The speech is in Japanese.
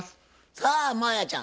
さあ真彩ちゃん